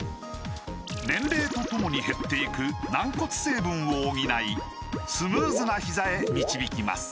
年齢とともに減っていく軟骨成分を補いスムーズなひざへ導きます